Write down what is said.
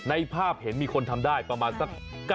ในภาพเห็นมีคนทำได้ประมาณสัก